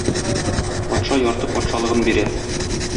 Патша ярты патшалыгын бирә.